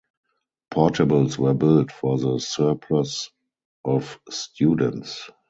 Portables were built for the surplus of students.